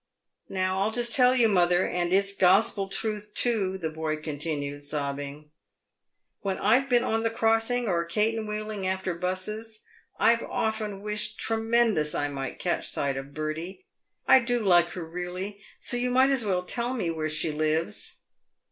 " Now I'll just tell you mother, and it's G ospel truth, too," the boy continued, sobbing, " when I've been on the crossing, or a caten wheeling after 'busses, I've often wished tremendous I might catch sight of Bertie. I do like her really ; so you might as well tell me where she lives."